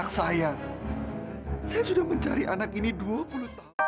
saya saya sudah mencari anak ini dua puluh tahun